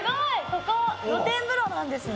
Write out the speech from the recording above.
ここ露天風呂なんですね。